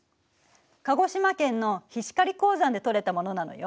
鹿児島県の菱刈鉱山で採れたものなのよ。